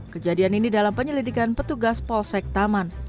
kejadian ini dalam penyelidikan petugas polsek taman